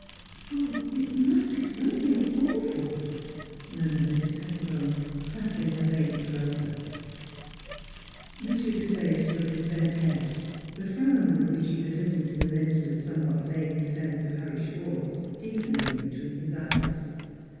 " Oh ! it must be something awful !" mur mured Mrs. Pettibone, clasping her baby closer. M. Desaye stood with bent head, the frown with which he had listened to the minister's some what vague defense of Harry Schwartz deepen ing between his eyes.